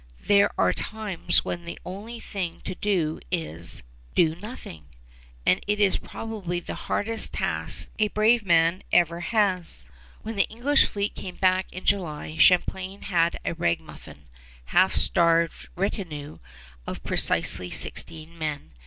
There are times when the only thing to do is do nothing; and it is probably the hardest task a brave man ever has. When the English fleet came back in July Champlain had a ragamuffin, half starved retinue of precisely sixteen men.